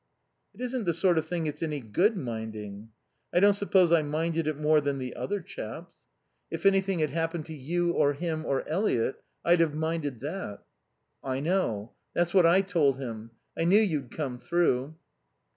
"It isn't the sort of thing it's any good minding. I don't suppose I minded more than the other chaps. If anything had happened to you, or him, or Eliot, I'd have minded that." "I know. That's what I told him. I knew you'd come through."